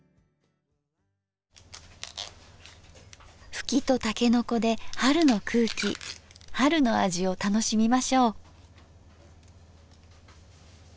ふきとたけのこで春の空気春の味を楽しみましょう。